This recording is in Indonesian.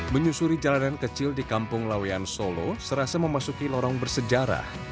menyusuri jalanan kecil di kampung lawean solo serasa memasuki lorong bersejarah